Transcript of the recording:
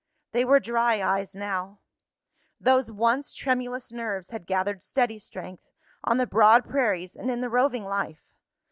They were dry eyes now! Those once tremulous nerves had gathered steady strength, on the broad prairies and in the roving life.